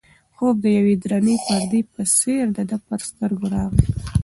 خوب د یوې درنې پردې په څېر د ده پر سترګو راغی.